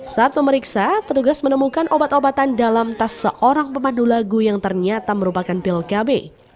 saat memeriksa petugas menemukan obat obatan dalam tas seorang pemandu lagu yang ternyata merupakan pil kb